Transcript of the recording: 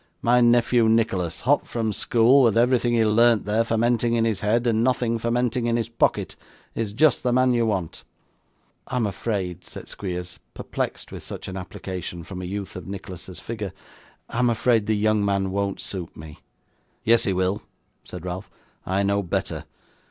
'My nephew Nicholas, hot from school, with everything he learnt there, fermenting in his head, and nothing fermenting in his pocket, is just the man you want.' 'I am afraid,' said Squeers, perplexed with such an application from a youth of Nicholas's figure, 'I am afraid the young man won't suit me.' 'Yes, he will,' said Ralph; 'I know better.